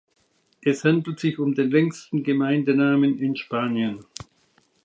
Es handelt sich um den längsten Gemeindenamen in Spanien.